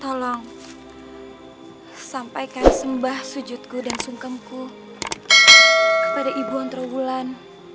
tolong sampaikan sembah sujudku dan sungkemku kepada ibu ontraulan